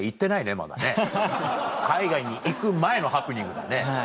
まだね海外に行く前のハプニングだね。